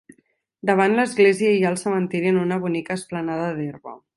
Davant l'església hi ha el cementiri en una bonica esplanada d'herba.